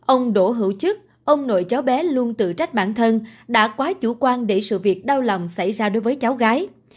ông đỗ hữu chức ông nội cháu bé luôn tự trách bản thân đã quá chủ quan để sự việc đau lòng xảy ra đối với cháu gái